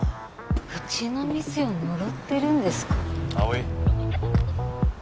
うちの店を呪ってるんですか？